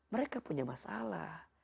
mereka punya masalah